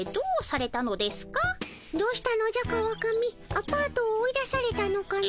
アパートを追い出されたのかの？